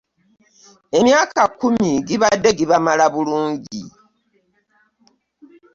Emyaka kkumi gibadde gibamala bulungi.